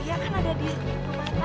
lia kan ada di rumah